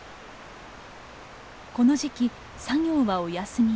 この時期作業はお休み。